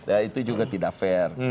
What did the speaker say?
ya itu juga tidak fair